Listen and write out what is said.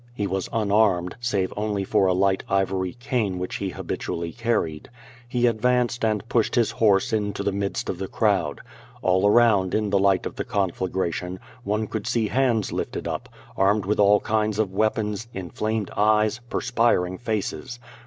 He was unarmed, save only for a light ivory cano which he habitually carried. He advanced and pushed his horse in to the midst of the crowd. All around in the light of the conflagration, one could see hands Ufted up, armed with all kinds of weapons, inflamed eyes, perspiring faces.